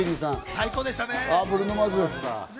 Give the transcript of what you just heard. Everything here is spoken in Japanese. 最高でしたよね。